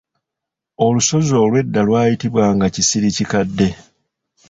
Olusozi olwo edda lwayitibwanga Kisirikikadde.